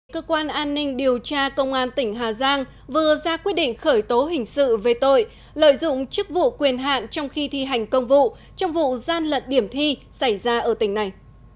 cơ quan an ninh điều tra công an tỉnh hà giang vừa ra quyết định khởi tố hình sự về tội lợi dụng chức vụ quyền hạn trong khi thi hành công vụ trong vụ gian lận điểm thi xảy ra ở tỉnh này